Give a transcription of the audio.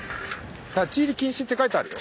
「立入禁止」って書いてあるよ。